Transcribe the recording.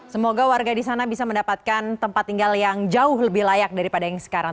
semoga warga di sana bisa mendapatkan tempat tinggal yang jauh lebih layak daripada yang sekarang